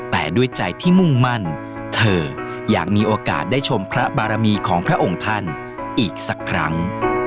แต่ด้วยใจที่มุ่งมั่นเธออยากมีโอกาสได้ชมพระบารมีของพระองค์ท่านอีกสักครั้ง